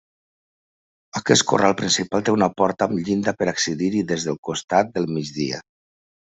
Aquest corral principal té una porta amb llinda per accedir-hi des del costat de migdia.